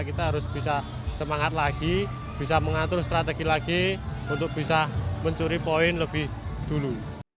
kita harus bisa semangat lagi bisa mengatur strategi lagi untuk bisa mencuri poin lebih dulu